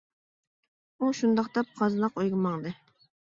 ئۇ شۇنداق دەپ قازناق ئۆيگە ماڭدى.